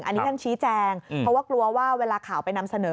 อันนี้ท่านชี้แจงเพราะว่ากลัวว่าเวลาข่าวไปนำเสนอ